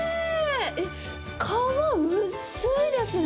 えっ、皮薄いですね！